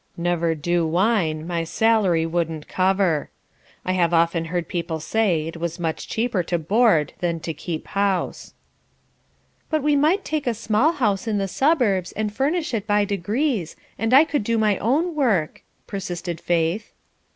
Never do, wine, my salary wouldn't cover. I have often heard people say it was much cheaper to board than to keep house." "But we might take a small house in the suburbs and furnish it by degrees, and I could do my own work," persisted Faith.